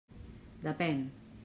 Depèn.